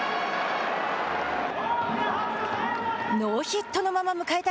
ノーヒットのまま迎えた